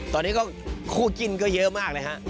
ตอนนี้ก็คู่จิ้นก็เยอะมากเลยฮะ